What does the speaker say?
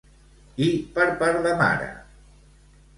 I per part de mare?